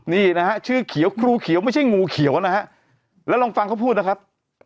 นี่นะฮะชื่อเขียวครูเขียวไม่ใช่งูเขียวนะฮะแล้วลองฟังเขาพูดนะครับ